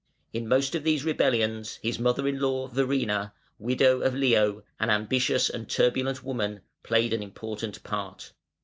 In most of these rebellions his mother in law, Verina, widow of Leo, an ambitious and turbulent woman, played an important part.